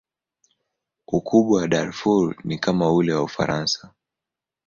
Ukubwa wa Darfur ni kama ule wa Ufaransa.